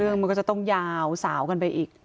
มันก็จะต้องยาวสาวกันไปอีก